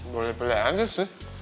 boleh pilih aja sih